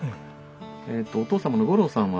えっとお父様の五郎さんは？